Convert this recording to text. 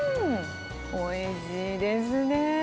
おいしいですねぇ。